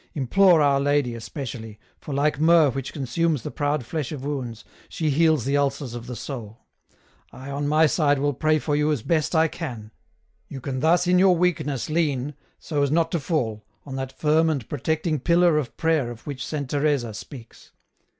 Implore our Lady especially, for like myrrh which consumes the proud flesh of wounds, she heals the ulcers of the soul ; I on my side will pray for you as best I can ; you can thus in your weakness lean, so as not to fall, on that firm and protecting pillar of prayer of which Saint Teresa speaks.